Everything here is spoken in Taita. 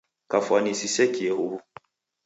Kafwani sisekie huw'u.